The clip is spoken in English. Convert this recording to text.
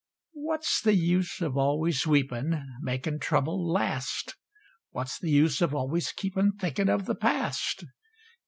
What's the use of always weepin', Makin' trouble last? What's the use of always keepin' Thinkin' of the past?